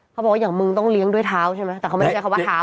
เขาบอกว่าอย่างมึงต้องเลี้ยงด้วยเท้าใช่ไหมแต่เขาไม่ได้ใช้คำว่าเท้า